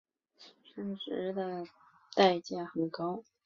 生殖的代价很高。